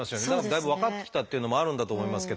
だいぶ分かってきたっていうのもあるんだと思いますけど。